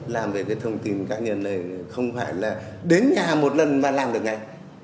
làm về cái thông tin cá nhân này không phải là đến nhà một lần mà làm được ngay